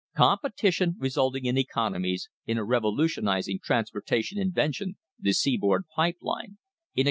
Competition resulting in economies, in a revo lutionising transportation invention the seaboard pipe line 1876 TO 1880.